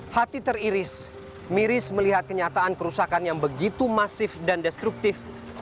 hati teriris miris melihat kenyataan kerusakan yang begitu masif dan destruktif